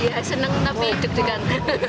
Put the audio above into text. ya senang tapi itu kan